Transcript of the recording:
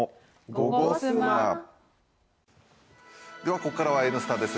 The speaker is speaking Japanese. ここからは「Ｎスタ」です。